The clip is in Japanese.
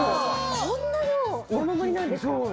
こんな量山盛りなんですか？